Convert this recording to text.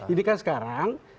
ini kan sekarang